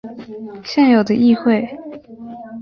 现有的议会。